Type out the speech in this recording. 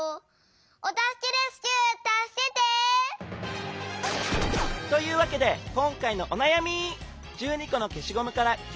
「お助けレスキュー」たすけて！というわけでこんかいのおなやみ！